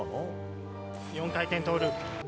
４回転トーループ。